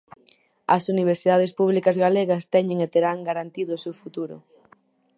As universidades públicas galegas teñen e terán garantido o seu futuro.